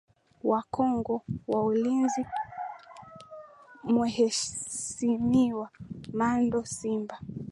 wacongo waulizi mwehesimiwa mando simba